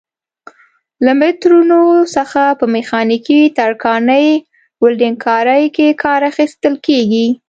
له مترونو څخه په میخانیکي، ترکاڼۍ، ولډنګ کارۍ کې کار اخیستل کېږي.